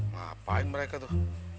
ngapain mereka tuh